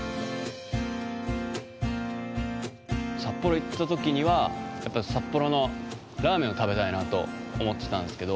札幌行ったときにはやっぱり札幌のラーメンを食べたいなと思ってたんですけど